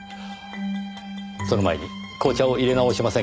その前に紅茶を淹れ直しませんか？